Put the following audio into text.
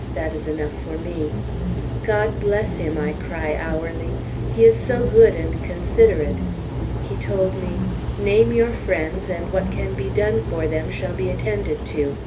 That is enough for me. God bless him! I cry hourly. He is so good and considerate. He told me, "Name your friends, and what can be done for them shall be attended to.